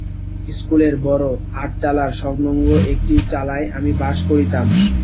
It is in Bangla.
স্কুলের বড়ো আটচালার সংলগ্ন একটি চালায় আমি বাস করিতাম।